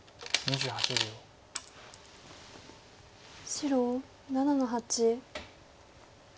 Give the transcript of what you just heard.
白７の八。